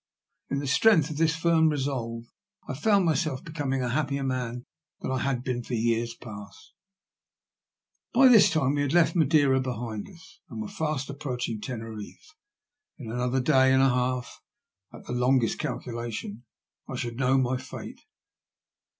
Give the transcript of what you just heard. In the strength of this firm resolve I found myself becoming a happier man than I had been for years past. By this time we had left Madeira behind us, and THE WRECK OP THE "FIJI PBINCESS." 145 were fast approaching Teneriffe. In another day and a half, at the longest calculation, I should know my fate.